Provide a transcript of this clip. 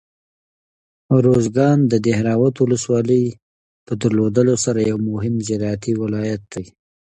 ارزګان د دهراود ولسوالۍ په درلودلو سره یو مهم زراعتي ولایت دی.